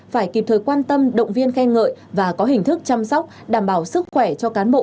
phải kịp thời quan tâm động viên khen ngợi và có hình thức chăm sóc đảm bảo sức khỏe cho cán bộ